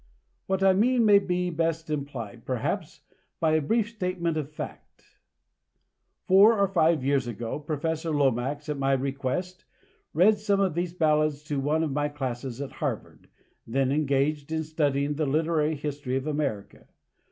What I mean may best be implied, perhaps, by a brief statement of fact. Four or five years ago, Professor Lomax, at my request, read some of these ballads to one of my classes at Harvard, then engaged in studying the literary history of America.